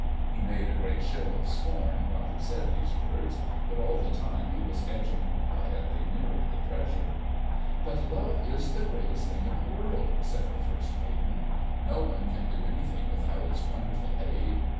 He made a great show of scorn while he said these words, but all the time he was edging quietly nearer the treasure. "But love is the greatest thing in the world!" said the first maiden. "No one can do anything without its wonderful aid.